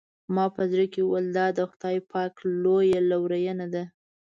ما په زړه کې وویل دا د خدای پاک لویه لورېینه ده.